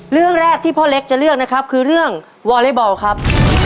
เรื่องแรกที่พ่อเล็กจะเลือกนะครับคือเรื่องวอเล็กบอลครับ